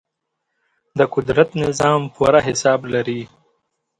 د قدرت نظام پوره حساب لري.